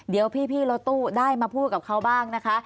เดี๋ยวพี่รถตู้ได้มาพูดกับเขาบ้างนะคะ